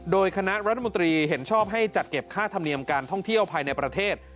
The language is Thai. โดยคณะรัฐมนตรีเห็นชอบให้จัดเก็บค่าธรรมเนียมการท่องเที่ยวภายในประเทศ